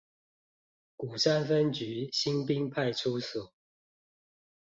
鼓山分局新濱派出所